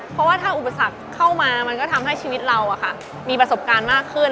เพราะว่าถ้าอุปสรรคเข้ามามันก็ทำให้ชีวิตเรามีประสบการณ์มากขึ้น